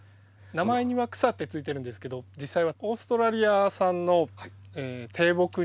名前には「草」ってついてるんですけど実際はオーストラリア産の低木になりますね。